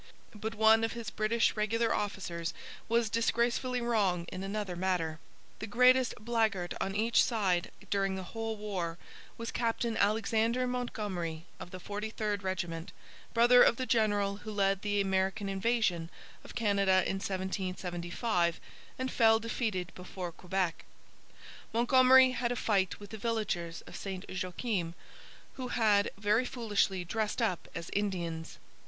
But one of his British regular officers was disgracefully wrong in another matter. The greatest blackguard on either side, during the whole war, was Captain Alexander Montgomery of the 43rd Regiment, brother of the general who led the American invasion of Canada in 1775 and fell defeated before Quebec. Montgomery had a fight with the villagers of St Joachim, who had very foolishly dressed up as Indians.